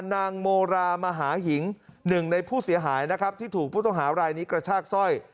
นางโมรามหาหิงหนึ่งในผู้เสียหายนะครับที่ถูกผู้ต้องหารายนี้กระชากสร้อย